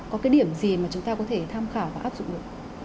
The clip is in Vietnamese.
có cái điểm gì mà chúng ta có thể tham khảo và áp dụng được